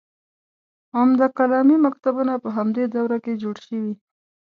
عمده کلامي مکتبونه په همدې دوره کې جوړ شوي.